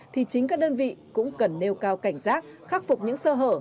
thì chính các đơn vị cũng cần nêu cao cảnh giác khắc phục những sơ hở